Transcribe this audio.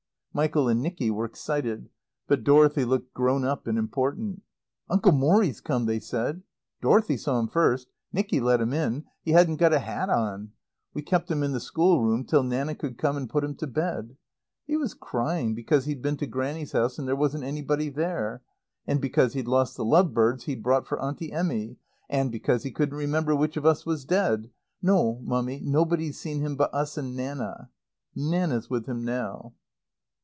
Michael and Nicky were excited, but Dorothy looked grown up and important. "Uncle Morrie's come," they said. "Dorothy saw him first " "Nicky let him in " "He hadn't got a hat on." "We kept him in the schoolroom till Nanna could come and put him to bed." "He was crying because he'd been to Grannie's house and there wasn't anybody there " "And because he'd lost the love birds he'd brought for Auntie Emmy " "And because he couldn't remember which of us was dead." "No, Mummy, nobody's seen him but us and Nanna." "Nanna's with him now."